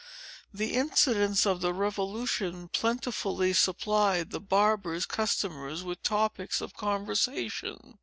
The incidents of the Revolution plentifully supplied the barber's customers with topics of conversation.